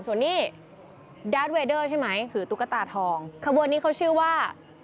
ส่วนนี้ดาดเวดเดอร์ใช่ไหมถือตุ๊กตาทองขบวนนี้เขาชื่อว่า